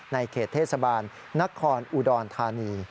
ในเขตเทศบาลนครอุดรธานี